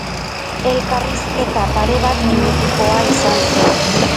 Elkarrizketa pare bat minutukoa izan zen.